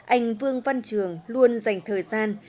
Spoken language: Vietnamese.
anh vương văn trường luôn dành thời gian